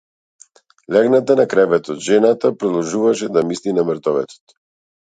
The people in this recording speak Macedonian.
Легната на креветот жената продолжуваше да мисли на мртовецот.